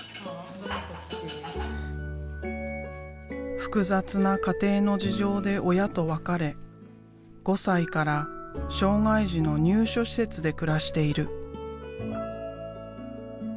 複雑な家庭の事情で親と別れ５歳から障害児の入所施設で暮らしている。